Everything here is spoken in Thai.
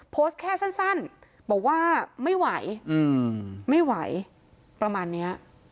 โพสต์แค่สั้นบอกว่าไม่ไหวไม่ไหวประมาณนี้